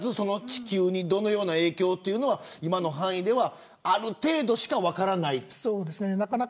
地球にどのような影響というのは今の範囲ではまだ分からないことも。